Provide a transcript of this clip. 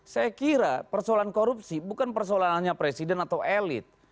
saya kira persoalan korupsi bukan persoalannya presiden atau elit